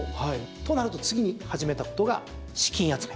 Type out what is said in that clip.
となると次に始めたことが資金集め。